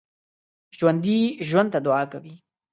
ژوندي ژوند ته دعا کوي